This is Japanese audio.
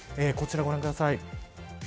こちらをご覧ください。